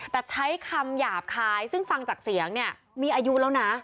แต่ใช้คำหยาบคายซึ่งฟังจากเสียงเนี่ยมีอายุแล้วนะ